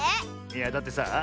いやだってさあ